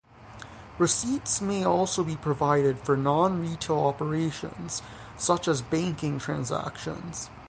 Receipts may also be provided for non-retail operations such as banking transactions.